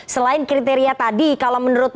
selain kriteria tadi kalau menurut